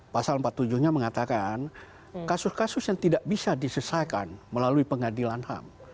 pasal empat puluh tujuh nya mengatakan kasus kasus yang tidak bisa diselesaikan melalui pengadilan ham